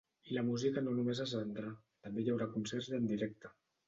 I la música no només es vendrà, també hi haurà concerts en directe.